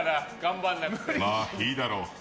まあいいだろう。